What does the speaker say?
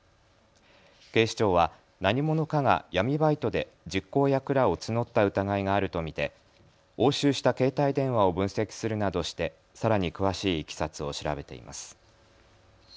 警視庁は何者かが闇バイトで実行役らを募った疑いがあると見て押収した携帯電話を分析するなどして、さらに詳しいいきさつを調べています。